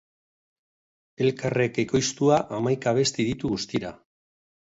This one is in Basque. Elkarrek ekoiztua hamaika abesti ditu guztira.